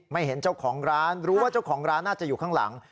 เห็นเจ้าของร้านรู้ว่าเจ้าของร้านน่าจะอยู่ข้างหลัง